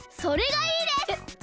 それがいいです！